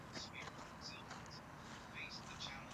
katika mashamba ya migomba na kahawa